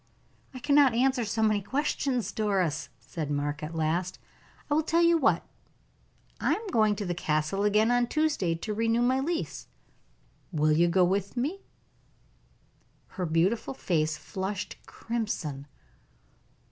"I cannot answer so many questions, Doris," said Mark, at last. "I tell you what I am going to the Castle again on Tuesday to renew my lease; will you go with me?" Her beautiful face flushed crimson.